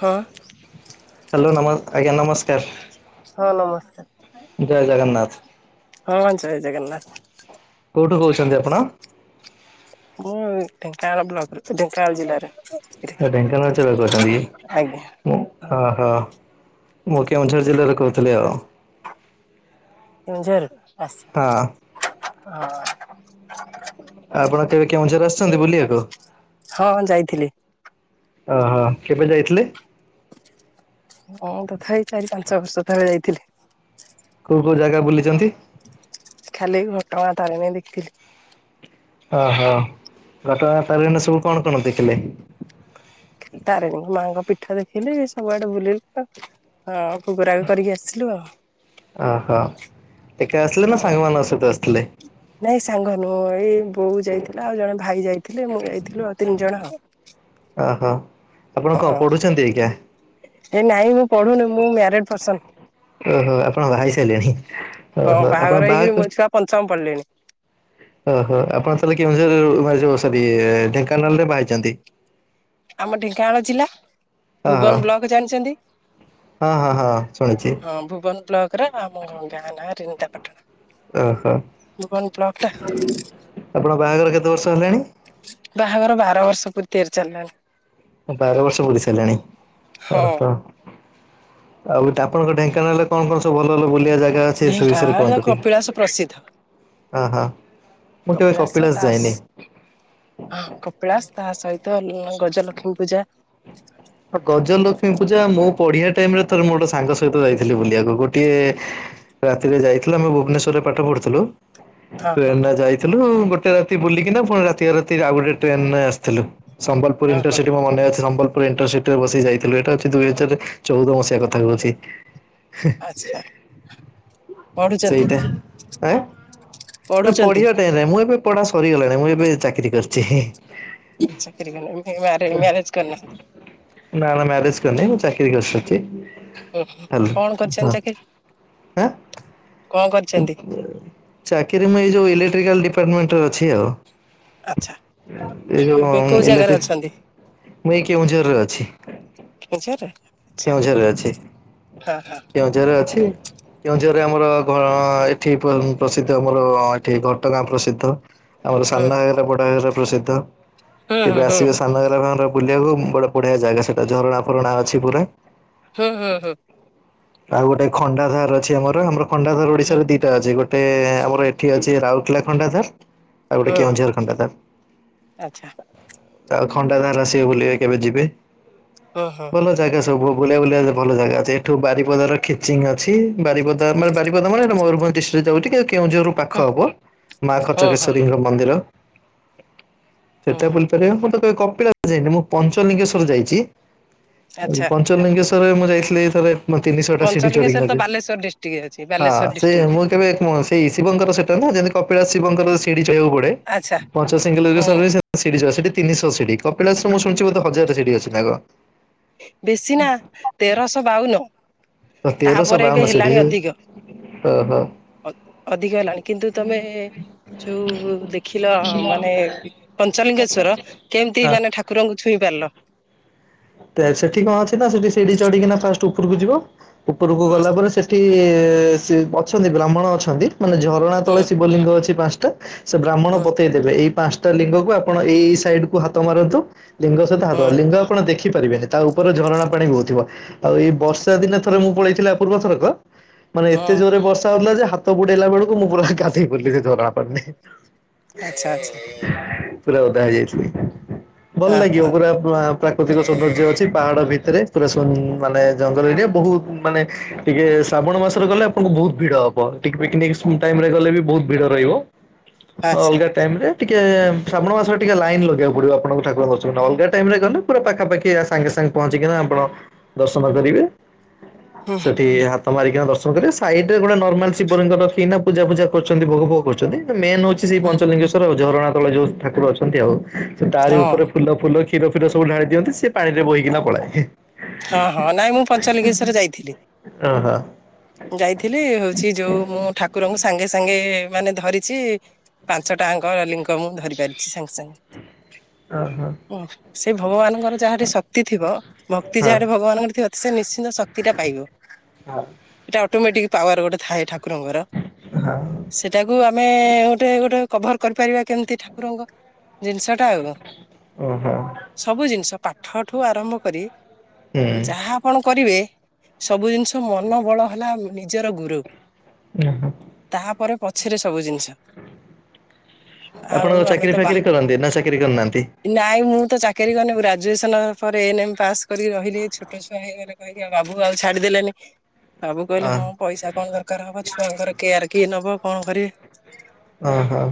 ହଁ। ହାଲୋ ନମାମ ଆଜ୍ଞା ନମସ୍କାର। ହଁ ନମସ୍କାର। ଜୟ ଜଗନ୍ନାଥ। ହଁ ଜୟ ଜଗନ୍ନାଥ। କୋଉଠୁ କହୁଛନ୍ତି ଆପଣ? ମୁଁ ଢେଙ୍କାନାଳ ବ୍ଲକ ର ଢେଙ୍କାନାଳ ଜିଲ୍ଲାର? ଢେଙ୍କାନାଳ ଜିଲ୍ଲାରୁ କହୁଛନ୍ତି କି? ମୁଁ ହଁ ଅହୋ ମୁଁ କେଉଁଝର ଜିଲ୍ଲାରୁ କହୁଥିଲି ଆଉ। [inaudible] ଆସ। ହଁ। ହଁ। ଆପଣ କେବେ କେଉଁଝର ଆସିଛନ୍ତି ବୁଲିବାକୁ? ହଁ ହଁ ଯାଇଥିଲି। ଓହୋ କେବେ ଯାଇଥିଲେ? ହଁ ତଥାପି ଚାରି ପାଞ୍ଚ ବର୍ଷ ଥରେ ଯାଇଥିଲି। କୋଉ କୋଉ ଜାଗା ବୁଲିଛନ୍ତି? ଖାଲି ଘଟଗାଁ ତାରିଣୀ ଦେଖଥିଲି। ଓହୋ ଘଟଗାଁ ତାରିଣୀ ରେ ସବୁ କଣ କଣ ଦେଖିଲେ? ତାରଣୀ ମାଆଙ୍କ ପିଠ ଦେଖିଲି। ସବୁଆଡେ ବୁଲିଲି ତୋ ହଁ ଭୋଗରାଗ କରିକି ଆସିଲୁ ଆଉ ଓହୋ ଏକା ଆସିଲେ ନା ହଁ। ସାଙ୍ଗମାନଙ୍କ ସହିତ ଆସଥିଲେ? ନାଇଁ ସାଙ୍ଗ ନୁହଁ ଏଇ ବୋଉ ଯାଇଥିଲା ଆଉ ଜଣେ ଭାଇ ଯାଇଥିଲେ ମୁଁ ଯାଇଥିଲୁ ତିନି ଜଣ ଆଉ ଓହୋ ଆପଣ କଣ ହଁ ପଢୁଛନ୍ତି ଆଜ୍ଞା!? ଏ ନାଇଁ ମୁଁ ପଢୁନି। ମୁଁ ମ୍ୟାରେଡ୍ ପର୍ସନ। ଓହୋ ଆପଣଙ୍କ ବା ହେଇ ସାରିଲେଣି। ହଁ ବାହାଘର ହେଇକିରି ମୋ ଛୁଆ ପଞ୍ଚମ ପଡ଼ିଲେଣି। ଓହୋ ଆପଣ ତାହେଲେ କେମଝ ସରି ଢେଙ୍କାନାଳ ରେ ବାହାରଛନ୍ତି। ହ ଆମ ଢେଙ୍କାନାଳ ଜିଲ୍ଲା ଓହୋ ଭୁବନ ବ୍ଲକ ଜାଣିଛନ୍ତି। ହଁ ହଁ ହଁ ଶୁଣିଛି ହଁ ଭୁବନ ବ୍ଲକ ର ଆମ ଗାଁ ନାଁ ରନିତା ପଟଣା। ଓହୋ ଆପଣ ବାହାଘର କେତେ ବର୍ଷ ହେଲାଣି। ବାହାଘର ବାର ବର୍ଷ ପୂର୍ ତିଆରି ଚାଲିଲାଣି। ବାର ବର୍ଷ ପୋଲିସଲାଣି ଓ ହଁ ହ। ଆଉ ଆଣଙ୍କ ଢୋଙ୍କାନାଳରେ କଣ କଣ ସବୁ ଭଲ ବୁଲଆ ଯା। ସେ ସୁ ବିଶ ର ଢେଙ୍କାନାଳ କନ୍ତି କପିଳାସ ପ୍ରସିଦ୍ଧ ହ ହଁ। ମୁଁ କେବେ ସପଳାସ ଯାଇନି। ହ କପିଳାସ ତା ସହିତ ଗଜଲକ୍ଷ୍ମୀ ପୂଜା। ଗଜଲକ୍ଷ୍ମୀ ପୂଜା ମୁଁ ପଢିଆ ଟାଇମ ରେ ଥର ମୋ ଗୋଟେ ସାଙ୍ଗ ସହିତ ଯାଇଥିଲି ବୁଲିବାକୁ ଗୋଟିଏ ରାତିରେ ଯାଇଥିଲ ଆମେ ଭୁବନେଶ୍ୱରରେ ପାଠ ପଢ଼ୁଥିଲୁ। ହଁ ହଁ ଟ୍ରେନ ଟ ଯାଇଥିଲୁ ଗୋଟେ ରାତି ବୁଲିକିନା ପୁଣି ରାତିରେ ରାତି ଆଉ ଗୋଟେ ଟ୍ରେନ ଆସିଥିଲ। ଥିଲୁ ସମ୍ବଲପୁର ହଁ ହଁ ଇଣ୍ରସିଟି ମ ମନେ ଅଛି ସମ୍ବଲପୁର ଇଣ୍ଟରସିଟି ଟା ବସି ଯାଇଥିଲୁ ଏଟା ହଉଚି ଦୁଇ ହଜାର ଚଉଦ ମସିହା କଥା କହୁଛି। ଆଚ୍ଛା ପଢୁଛନ୍ତି ସେଇଟା ଆଁ, ନା ପଢୁଛନ୍ତି ପଢିବା ଟାଇମ୍ ନାଇଁ, ମୁଁ ଏବେ ପଢା ସରିଗଲାଣି ମୁଁ ଏବେ ଚାକିରି କରିଛି। ଚାକିରି କଲେଣି, ଫେ ମ୍ୟାରେ ମ୍ୟାରେଜ କରନାହାନ୍ତି? ନା ନା ମ୍ୟାରେଜ୍ କରିନି, ମୁଁ ଚାକିରି କରିସାରଛି। ଅଁ, ହୋ କଣ କରିଛନ୍ତି ଆଁ ଚାକିରି? କଣ କରିଛନ୍ତି? ଚାକିରି ମୁଁ ଏଇ ଯୋଉ ଇଲେକ୍ଟ୍ରିକାଲ୍ ଡଡିପାର୍ଟମେଣ୍ଟ ଅଛି ଆଉ। ଆଚ୍ଛା ଏଇ ଯୋଉ ଏବେ ହଁ କୋଉ ମୁଁ ଜାଗାରେ ଇଲେକ୍ଟ୍ରିକ, ଅଛନ୍ତି ମୁଁ ଏଇ କେଉଁଝରରେ ଅଛି। କେଉଁଝରରେ? ଆଚ୍ଛା କେଉଁଝର ରେ ଅଛି। ହଁ ହଁ କେଉଁଝର ରେ ଅଛି। କେଉଁଝରରେ ଆମର ଘ, ଅଁ, ଏଠି ପ୍ର ଉଁ, ପ୍ରସିଦ୍ଧ ଆମର ଏଠି ଘଟଗାଁ ପ୍ରସିଦ୍ଧ। ଆମର ସାନ ହୁଁ ଘାଗରା ବଡ ଘାଗରା ପ୍ରସିଦ୍ଧ। ହୁଁ ହୁଁ କେବେ ହୁଁ ଆସିବେ ସାନ ଘାଗରା ଭାଁର ବୁଲିବାକୁ ବଡ଼ ବଢ଼ିଆ ଜାଗା ସେଟା ଝରଣା ଫରଣା ଅଛି ପୁରା। ହଁ, ହଁ, ହଁ। ଆଉ ଗୋଟେ ଖଣ୍ଡା ଧାର ଅଛି ଆମର, ଆମର ଖଣ୍ଡା ଧାର ଓଡିଶାରେ ଦିଟା ଅଛି। ଗୋ ଟେ ଆମର ଏଠି ଅଛି ରାଉରକେଲା ଖଣ୍ଡା ଧାର୍। ଆଉ ଗୋଟେ ହୁଁ କେଉଁଝର ଖଣ୍ଡା ଆଚ୍ଛା ଧାର। ଆଉ ଖଣ୍ଡା ଧାର ଆସିବେ ବୁଲିବେ କେବେ ଯିବେ। ହଁ, ହଁ। ଭଲ ଜାଗା ସ ସବୁ ବୁ ବୁଲିଆ ବୁଲିଆକୁ ଭଲ ଜାଗା ଅଛି। ଏଠୁ ବାରିପଦାର ଖିଚିଙ୍ଗ ଅଛି। ବାରିପଦା ମାନେ ବାରିପଦା ମାନେ ସେଟା ମୟୂରଭଞ୍ଜ ଡିସ୍ ସେ ଯୋଉ ଟିକେ କେଉଁଝରରୁ ହୁଁ ପାଖ ହବ ମା ହୁଁ ଖଚକେଶ୍ୱରୀଙ୍କ ମନ୍ଦିର। ହୁଁ ହୁଁ ସେଟା ହୁଁ ବୁଲିପାରିବ। ମୁଁ ତ କେବେ କପିଳାସ ଯାଇନି। ମୁଁ ପଞ୍ଚଲିଙ୍ଗେଶ୍ୱର ଯାଇଛି। ଏ ଆଚ୍ଛା ପଞ୍ଚଲିଙ୍ଗେଶ୍ଵରେ ମୁଁ ଯାଇଥିଲି ଥରେ ମ-ତିନିଶହ ଟା ସିିଢି ଚଢିକି ଲାଗେ। ଟିକେ ଅଛି ବା ହଁ ସେ ମୁଁ କେବେ ମ-ସେଇ ଶିବଙ୍କର ସେଟା ନା ଯେମତି କପିଳାସ ଶିବଙ୍କର ସିଡି ଚଢିବାକୁ ପଡେ। ଆଚ୍ଛା ହୁଁ ପଞ୍ଚସିଙ୍ଗେଲେଶ୍ଵର ରେ ସେ [inaudible] ସିଡି ଚଢା, ସେଠି ତିନିଶହ ସିଡି। କପିଳାସ ର ମୁଁ ଶୁଣିଛି ବୋଧେ ହଜାରେ ଟା ସିଡି ଅଛି ନା କଣ? ବେଶୀ ନା ତେରଶହ ବାଉନ। ତାପରେ ଏବେ ହେଲାଣି ଅଧିକ। ଓ ହୋ। ଅଧ ଅଧିକ ହେଲାଣି। କିନ୍ତୁ ତୋମେ ଯୋଉ ଦେଖିଲ ମାନେ ପଞ୍ଚଲିଙ୍ଗେଶ୍ଵର କେମତି ହଁ। ମାନେ ଠାକ କୁରଙ୍କୁ ଛୁଇଁ ପାରିଲ? ତେ ସେଠି କଣ ଅଛି ନା ସେଠି ସିଡି ଚଢିକିନା ଫାଷ୍ଟ ଉପରକୁ ଯିବ। ଉପରକୁ ହୁଁ ଗଲା ପରେ ସେ ଠି ସି ଅଛନ୍ତି ବ୍ରାହ୍ମଣ ଅଛନ୍ତି, ମାନେ ଝରଣା ତଳେ ହୁଁ ଶିବଲିଙ୍ଗ ଅଛି ପାନ୍ସଟା। ସେ ବ୍ରାହ୍ମଣ ହୁଁ ବତେଇ ଦେବେ ଏଇ ପାନ୍ସଟା ଲିଙ୍ଗକୁ ଆପଣ ଏଇ ଏଇ ସାଇଡ୍ କୁ ହାତ ମାରନ୍ତୁ। ଲିଙ୍ଗ ସହିତ ହାତ ହୁଁ ମାର, ଲିଙ୍ଗ ଆପଣ ଦେଖିପାରିବେନି ତା ଉପରେ ଝରଣା ପାଣି ବହୁଥିବ। ଆଉ ଏଇ ବର୍ଷା ଆଚ୍ଛା ଦିନେ ଥରେ ମୁଁ ପଳେଇଥିଲି ଆ ପୂର୍ବ ଥରକ, ମାନେ ଏତେ ହଁ ଜୋରେ ବର୍ଷା ହଉଥିଲା ଯେ ହା ତ ବୁଡେଇଲା ବେଳକୁ ମୁଁ ପୁରା ଗାଧେଇ ପଡଲି ସେ ଝରଣା ପାଣି ରେ। ଆଚ୍ଛା ଆଚ୍ଛା ପୁରା ଓଦା ହେଇ ଯାଇଥିଲି। ଭଲ ହଁ ଲାଗିବ ହଁ ପୁରା ପା ପ୍ରାକୃତିକ ସୌନ୍ଦର୍ଯ୍ୟ ଅଛି ପାହାଡ ଭିତରେ। ପୁରା ସୁ ମାନେ ଜଙ୍ଗଲ ଏରିଆ। ବହୁତ ମାନେ ଟିକେ ଶ୍ରାବଣ ମାସରେ ଗଲେ ଆପଣଙ୍କୁ ବହୁତ ଭିଡ ହବ। ଟିକେ ପିକନିକ ସୁ ଟାଇମ୍ ରେ ଗଲେ ବି ବହୁତ ଭିଡ ରହିବ। ଓ ଆଚ୍ଛା ଅଲଗା ଟାଇମ୍ ରେ ଟିକେ ଶ୍ରାବଣ ମାସରେ ଟିକେ ଲାଇନ ଲଗେଇବାକୁ ପଡିବ ଆପଣଙ୍କୁ ଠାକୁର ଦର୍ଶନ ନବାକୁ। ବେ ଟାଇମ୍ ରେ ଗଲେ ପୁରା ପାଖାପାଖି ଆ, ସାଙ୍ଗେ ସାଙ୍ଗେ ପହଞ୍ଚିକିନା ଆପଣ ଦର୍ଶନ କରିବେ। ହୁଁ ସେଠି ହା ତ ମାରିକିନା ଦର୍ଶନ କରିବେ। ସାଇଡ୍ ରେ ଗୋଟେ ନର୍ମାଲ୍ ଶିବଲିଙ୍ଗ ରଖିକିନା ପୂଜା ଫୂଜା କରୁଛନ୍ତି, ଭୋଗ ଫୋଗ କରୁଛନ୍ତି। ଏ ମେନ୍ ହଉଛି ସେଇ ହୁଁ ପଞ୍ଚଲିଙ୍ଗେଶ୍ଵର ଝରଣା ତଳେ ଯୋଉ ଠାକୁର ଅଛନ୍ତି ଆଉ। ସେ ତାରି ହଁ ଉପରେ ଫୁଲ ଫୁଲ କ୍ଷୀର ଫୀର ସୁବୁ ଢାଳି ଦିଅନ୍ତି ସେ ପାଣିରେ ବୋହିକି ନା ପଳାଏ। ହଁ, ହଁ ନାଇଁ ମୁଁ ପଞ୍ଚଲିଙ୍ଗେଶ୍ଵର ଯାଇଥିଲି। ଓହୋ। ଯାଇଥିଲି, ହଉଛି ଯୋଉ ମୁଁ ଠା କୁରଙ୍କୁ ସାଙ୍ଗେ ସାଙ୍ଗେ ମାନେ ଧରିଛି ପାଞ୍ଚଟା ଆଙ୍କ ଲିଙ୍ଗ ମୁଁ ଧରି ପାରିଛି ସାଙ୍ଗେ ସାଙ୍ଗେ। ଅ ହ। ଓ ସେ ଭଗବାନଙ୍କର ଯାହାଠି ଶକ୍ତି ଥିବ ଶକ୍ତି ହଁ। ହଁ ଯାହାରି ଭଗବାନଙ୍କର ଥିବ ସେ ନିଶ୍ଚିନ୍ତ ଶକ୍ତି ଟା ପାଇବ। ଓହୋ ଏଟା ଅଟୋମେଟିକ ପାୱାର ଗୋଟେ ଥାଏ ଠାକୁରଙ୍କର। ହଁ। ସେଟାକୁ ଆମେ ଗୋଟେ ଗୋଟେ କଭର କରିପାରିବା କେମିତି ଠାକୁରଙ୍କର ଜିନିଷ ଟା ଆଉ ହୁଁ ଓହୋ ସବୁ ଜିନିଷ ପାଠଠୁ ଆରମ୍ଭ କରି ଯାହା ଆପଣ କରିବେ ସବୁ ଜିନିଷ ମନ ବଳ ହେଲା ନିଜର ଗୁରୁ। ଉଁ ହୁଁ। ତାହାପରେ ପଛରେ ସବୁ ଜିନିଷ। ଆଉ ଆପଣ ଆମେ ତ ଚାକିରି ବା ଫାକିରି କରନ୍ତି ନା ଚାକିରି କରରିନାହାନ୍ତି? ନାଇଁ ମୁଁ ତ ଚାକିରି କରିନି ଗ୍ରାଜୁଏସନ ପରେ ଏନ୍ ଏମ୍ ପାସ୍ କରିକି ରହିଲି ଛୋଟ ଛୁଆ ହେଇଗଲେ କହିକି ଆଉ ବାବୁକୁ ଆଉ ଛାଡିଦେଲେନି ବାବୁ କହିଲେ ଅହ ହଁ ପଇସା କଣ ଦର କାର ହବ ଛୁଆଙ୍କର କେୟାର କିଏ ନବ କଣ କରିବେ। ଅ ହଁ।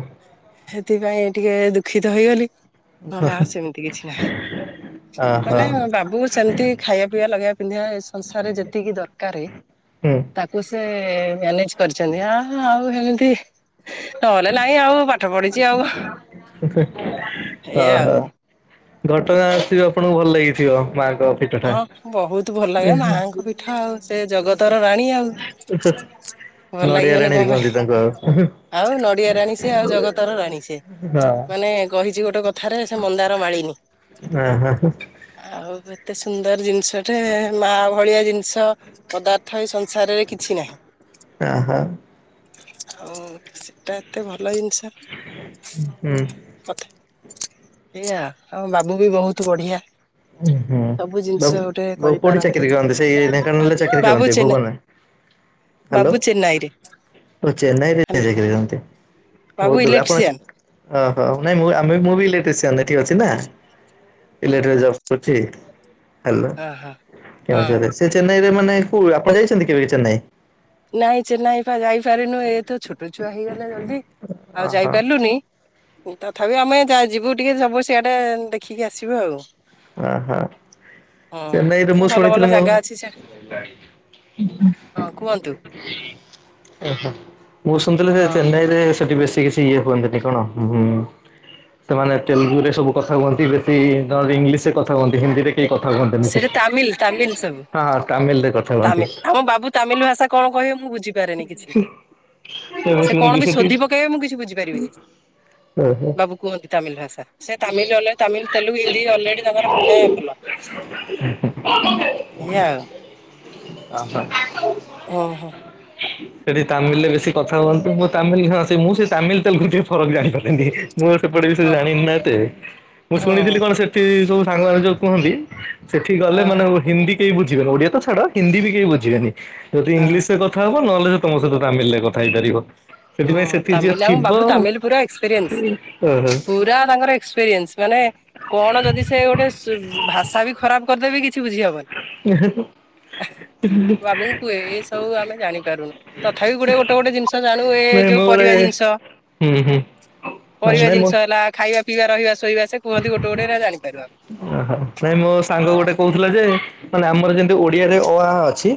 ସେଥିପାଇଁ ଟିକେ ଦୁଃଖିତ ହେଇଗଲି। ନହେଲେ ଆଉ ସେମିତି କିଛି ନାହିଁ ଓହୋ ହୁଁ ମାନେ ବାବ ସେମିତି ଖାଇବା ପିଇବା ଲଗେଇବା ପିନ୍ଧିବା ସଂସାରରେ ଯେତିକି ଦରକାରେ ତାକୁ ସେ ମ୍ୟାନେଜ କରିଛନ୍ତି ଆ ଆଉ ଏମିତି ନହେଲେ ନାଇଁ ଆଉ ବା [unintelligible] ଅ ଏଇଆ ହ। ଆଉ ଘଟଗାଁ ଆସିକି ଆପଣଙ୍କୁ ଭଲ ଲାଗିଥିବ ମାଙ୍କ ପି ତୁ ଥା। ହଁ ବହୁତ ଭଲ ଲାଗେ ମାଙ୍କ ପିଠା ଆଉ ସେ ଜଗତର ରାଣୀ ଆଉ [unintelligible] ଭଲ ନଡିଆ ଲାଗିବନି ରାଣି କଣ ପାଇଁ କୁହନ୍ତି ତାଙ୍କୁ। ଆଉ ନଡିଆ ରାଣୀ ସେ ଆଉ ଜଗତ ର ରାଣୀ ସେ ମାନେ କହିଛି ଗୋଟେ କଥାରେ ସେ ମନ୍ଦାର ମାଳିନୀ। ଆଁ ହଁ ହଁ। ଆଉ ଏତେ ସୁନ୍ଦର ଜିନିଷଟେ ମା ଭଳିଆ ଜିନିଷ ପଦାର୍ଥ ଏସ ସାରେ କିଛି ନାହିଁ ଆଉ ଏଟା ଏତେ ଭଲ ଜିନିଷ। କଥା ଏଇଆ ଆମ ବାବୁ ବି ବହୁତ ବଢିଆ। ସବୁ ବାବୁ ଜିନିଷ ଗୋଟେ କୋଉଠି କରିପାରନ୍ତି ଚାକିରି କରନ୍ତି ସେଇ ଢେଙ୍କାନାଳରେ ଚାକିରି କରନ୍ତି ଭାବୁଛ ନା ଭୁବନରେ ହ୍ୟାଲୋ ବାବୁ ଚେନ୍ନାଇ ରେ। ଓ ଚେନ୍ନାଇ ରେ ଚାକିରି କରନ୍ତି, ବାବୁ ବହୁତ ଦୂରରେ ଆପଣ ଇଲେକ୍ଟ୍ରିସିଆନ ଚେ ଓହୋ, ନାଇଁ ମୁଁ ଆମେ ବି ମୁଁ ବି ଇଲେକ୍ଟ୍ରିସିଆନ ଏଠି ଅଛି ନା, ଇଲେକ୍ଟ୍ର ଜବ କରଚି, ହ୍ୟାଲୋ, ହଁ ହଁ ହଁ କେଉଁଝର ଆସ୍ ସେ ଚେନ୍ନାଇରେ ମାନେ କଉ, ଆପଣ ଯାଇଛନ୍ତି କେବେ ଚେନ୍ନାଇ? ନାଇଁ ଚେନ୍ନାଇ ପା ଯାଇପାରିନୁ, ଏ ତ ଛୋଟ ଛୁଆ ହେଇଗଲେ ଜଲ୍ଦି। ଆଉ ଯାଇ ଓହୋ ପାରିଲୁନି। ତଥାପି ଆମେ ଯା ଯିବୁ ଟିକେ ସବୁ ସିଆଡେ ଦେଖିକି ଆସିବୁ ଆଉ। ଓହୋ ହଁ, ଚେନ୍ନାଇରେ ମୁଁ ଭଲ ଭଲ ଜାଗା ଅଛି, ସି ହୁଁ ହୁଁ। ହଁ, କୁହନ୍ତୁ। ଓହ, ମୁଁ ଶୁଣିଥିଲି ଯେ ହଁ ଚେନ୍ନାଇ ରେ ସେଠି ବେଶୀ କିଛି ଟି ଇଏ ହୁଅନ୍ତିନି କଣ, ହୁଁ। ସେମାନେ ତେଲୁଗୁରେ ସବୁ କଥା କୁହନ୍ତି, ବେଶୀ ଧ ଇଂଲିଶ ରେ କଥା କୁହନ୍ତି, ହିନ୍ଦୀରେ କେହି କଥା ହୁଅନ୍ତିନି ସେଠି, ହଁ ହଁ, ତାମିଲ ରେ କଥ ତାମି, ଆମ ବାବୁ ତାମିଲ ଭାଷା କଣ କହିବେ, ମୁଁ ବୁଝି ପାରେନି କିଛି, ମୁଁ ସେ ଶୁଣିଛି କଣ ବି ସେଠି। ଶୋଦୀ ପକେଇବେ, ମୁଁ କିଛି ବୁଝିପାରିବିନି। ଓହୋ ବାବୁ କୁହନ୍ତି ତାମିଲ ଭାସା, ସେ ତାମିଲ [unintelligible] ତାମିଲ, ତେଲୁଗୁ, ହିନ୍ଦୀ ଅଲରେଡି଼ ତାଙ୍କର ପୁରା ଭଲ। ଏଇଆ ଆଉ ଉହୁଁ। ସେଠି ତାମିଲ ରେ ବେଶୀ କଥା ହୁଅନ୍ତି, ମୁଁ ତାମିଲ ସ, ମୁଁ ସେ ତାମିଲ ତେଲଗୁ ଟିକେ ଫରକ ଜାଣିପାରିଲିନି। ମୁଁ ସେପଟେ ବି ସେ ହଁ ଜାଣିନି ନା ଏତେ ମୁଁ ହଁ ଶୁଣିଥିଲି କଣ ସେଠି ସବୁ ସାଙ୍ଗମାନେ ଯୋଉ କୁହନ୍ତି ସେଠି ଗଲେ ହଁ ମାନେ ହିନ୍ଦୀ କେହି ବୁଝିବେନି, ଓଡିଆ ତ ଛାଡ ହିନ୍ଦୀ ବି କେହି ବୁଝିବେନି ଯଦି ହଁ ଇଂଲିଶରେ କଥା ହବ ନହେଲେ ତମ ସହିତ ତାମିଲ ରେ କଥା ହେଇପାରିବ। ହଁ, ସେଥିପାଇଁ ସେଠି ଯିଏ ତାମିଲ ଆମ ଥିବ ବାବୁ ତାମିଲ ପୁରା ଏକ୍ସପିରିଏନ୍ସ, ପୁରା ତାଙ୍କର ଏକ୍ସପିରିଏନ୍ସ। ମାନେ କଣ ଯଦି ସେ ଗୋଟେ ସୁ ଭାଷା ବି ଖରାପ କରିଦେବ କିଛି ବୁଝିହବନି। ଓହୋ ବାବୁଙ୍କୁୁ କୁହେ ଏ ସବୁ ଆମେ ଜାଣିପାରୁନୁ ତଥାପି ଗୋଟେ ଗୋଟେ ଗୋଟେ ଜିନିଷ ଜାଣୁ ଏ ନାଇଁ ଯୋଉ ମୁଁ ଗୋଟେ ପରିବା ଜିନିଷ, ହୁଁ ହୁଁ ହଁ ପରିବା ନାଇଁ ମୁଁ ଜିନିଷ ହେଲା ଖାଇବା ପିଇବା, ରହିବା, ଶୋଇବା, ସେ କୁହନ୍ତି ଗୋଟେ ଗୋଟେ ହେରା ଜାଣିପାରୁ ଆମେ ହଁ। ହେଲା ଯେ ମାନେ ଆମର ଯେମତି ଓଡିଆରେ ଅ, ଆ ଅଛି,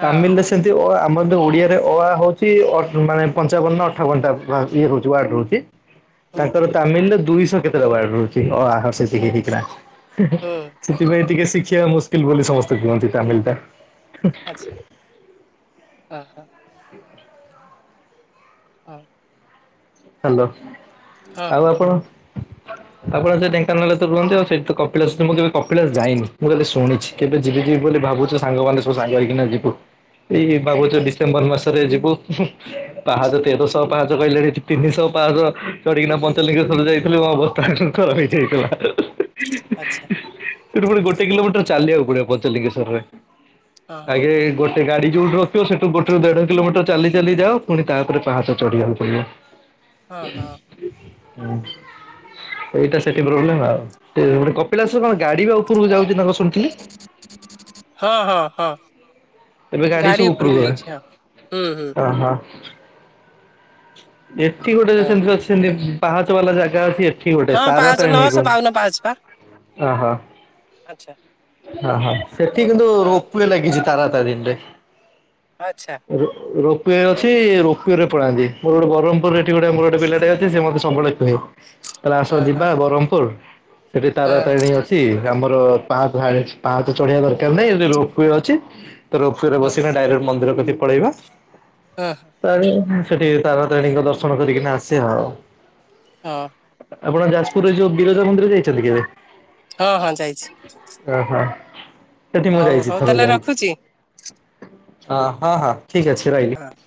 ହଁ ତାମିଲ ରେ ସେମିତି ଅ ଆ ଆମର ଯଉ ଓଡ଼ିଆରେ ଅ, ଆ ହଉଛି ଅ ମାନେ ପଞ୍ଚାବନ ନା ଅଠାବନ ଟା ଇଏ ରହୁଛି ୱାର୍ଡ଼ ରହୁଛି। ହୁଁ ତାଙ୍କର ତାମିଲ ରେ ଦୁଇଶହ କେତେଟା ୱାର୍ଡ ରହୁଛି, ଅ, ଆ, [unintelligible] ହୁଁ ଶିଖେଇ ଦେଇଥିଲା। ହୁଁ ସେଥିପାଇଁ ଟିକେ ଶିଖିବା ମୁସ୍କିଲ ବୋଲି ସମସ୍ତେ କୁହନ୍ତି ତାମିଲ ଟା। ଆଚ୍ଛା, ହଁ ହଁ। [unintelligible] ହାଲୋ, ହଁ ଆଉ ହଁ ଆପଣ ଆପଣ ସେ ଢ଼େଙ୍କାନାଳରେ ତ ରୁହନ୍ତି ଆଉ ସେଠୁ କପିଳାସ ମୁଁ କେବେ କପିଳାସ ଯାଇନି, ମୁଁ ଖାଲି ଶୁଣିଛି। କେବେ ଯିବି ଯିବି ବୋଲି ଭାବୁଛୁ ସାଙ୍ଗମାନେ ସବୁ ସାଙ୍ଗ ହେଇକିନା ଯିବୁ। ଏଇ ଭାବୁଚୁ ଆଚ୍ଛା ଡିସେମ୍ବର ମାସରେ ଯିବୁ, ପାହାଚ ତେରଶହ ପାହାଚ କହିଲେଣି ତିନିଶହ ପାଞ୍ଚଶହ ଚଢିକିନା ପଞ୍ଚଲିଙ୍ଗେଶ୍ୱର ଯାଇଥିଲୁ ମ ଅବସ୍ଥା ଖରାପ ହେଇଯାଇଥିଲା। ଆଛା। ସେଠୁ ପୁଣି ଗୋଟେ କିଲୋମିଟର ଚାଲିବାକୁ ପଡିବ ପଞ୍ଚଲିଙ୍ଗେଶ୍ୱରରେ, ହଁ ଆଗେ ଗୋ ସେ ଗାଡି ଯୋଉଠେ ରଖିବ ସେଠୁ ଗୋଟେରୁ ଦେଢ଼ କିଲୋମିଟର ଚାଲି ଚାଲି ଯାଅ ପୁଣି ତା ଉପରେ ପାହାଚ ଚଢି଼ବାକୁ ପଡ଼ିବ। ହଁ, ହଁ। ହଁ। ଏଇଟା ସେଠି ପ୍ରୋବ୍ଲେମ ଆଉ, ସେ ମାନେ କପିଳାସର କଣ ଗାଡି ବା ଉପରକୁ ଯାଉଛି ନା କଣ ଶୁଣିଥିଲି। ହଁ, ହଁ, ହଁ। ଏବେ ଗାଡ଼ି ଗାଡି ସବୁ ଉପରକୁ ଉପରୁକୁ ଗଲା, ଯାଉଛି ହଁ। ହୁଁ ହୁଁ ଅ ହ। ଏଠି ଗୋଟେ ହଁ ସେମିତି ହଁ ଅଛି ସେମତି ପାହାଚ ବାଲା ଜାଗା ଅଛି ଠିକ ଗୋଟେ ହଁ ପାହାଚ ତାରତାରିଣୀ ନଅଶହ [unintelligible] ବାଉନ ପାହାଚ ପା ଅ ହୋ ଆଚ୍ଛା ଅ ହ ସେଠି କିନ୍ତୁ ହଁ ହଁ ରୋପୱେ ଲାଗିଛି ତାରା ତାରାଣୀ ରେ। ଆଛା। ରୋପେ ଅଛି ରୋପେରେ ପଳାନ୍ତି ମୋର ଗୋଟେ ବ୍ରହ୍ମ ପୁରରେ ଏଠି ଗୋଟେ ମୋର ଗୋଟେ ପିଲା ଟେ ଅଛି ସେ ମତେ ସବୁବେଳେ କୁହେ। ତାହଲେ ଆସ ହଁ ଯିବା ହଁ ବ୍ରହ୍ମପୁର ସେଠି ହଁ ତାରାତାରିଣୀ ଅ ଆମର ପା ପାହା ପାହାଚ ଚଢ଼ିବା ଦରକାର ନାହିଁ ଏଢେ ରୋପିଓ ଅଛି। ତୋ ରୋପୱେରେ ହଁ ହଁ ବସିବା ଡାଇରେକ୍ଟ ମନ୍ଦିର କତି ପଳେଇବା। ନା। ସେଠି ତାରାତାରିଣୀଙ୍କ ଦର୍ଶନ କରିକିନା ଆସିବା। ହଁ। ଆପଣ ଯାଜପୁରରେ ଯୋଉ ବିରଜା ମନ୍ଦିର ଯାଇଛନ୍ତି କେବେ? ହଁ ହଁ ଯାଇଛି। ଅ ହଁ ସେଠି ମୁଁ ହଉ ଯାାଇଛି ହଉ ଥରେ ତାହେଲେ ଯାଇଛି। ରଖୁଛି ଅ ହଁ ହଁ ଠିକ ଅଛି ରହିଲି। ହଁ।